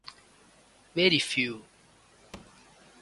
Very few.